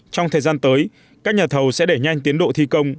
trong thời gian tới các nhà thầu sẽ đẩy nhanh tiến độ thi công